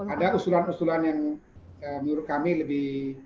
ada usulan usulan yang menurut kami lebih